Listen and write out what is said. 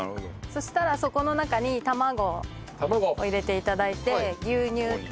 そしたらそこの中に卵を入れて頂いて牛乳と。